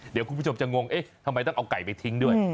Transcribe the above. เดี๋ยวคุณผู้ชมจะงงเอ๊ะทำไมต้องเอาไก่ไปทิ้งด้วย